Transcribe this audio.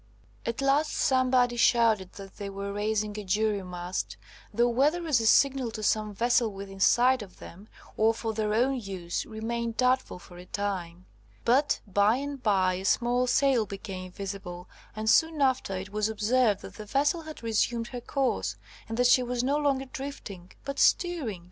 At last somebody shouted that they were raising a jury mast, though whether as a signal to some vessel within sight of them, or for their own use, remained doubtful for a time; but by and by a small sail became visible, and soon after, it was observed that the vessel had resumed her course, and that she was no longer drifting, but steering!